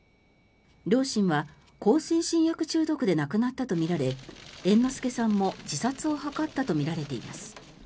両親は向精神薬中毒で亡くなったとみられ猿之助さんも自殺を図ったとみられています。